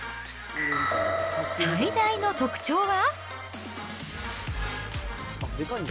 最大の特徴は。